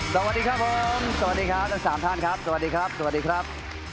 สวัสดีครับผมสวัสดีครับทั้งสามท่านครับสวัสดีครับสวัสดีครับ